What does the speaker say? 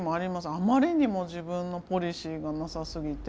あまりにも自分のポリシーがなさすぎて。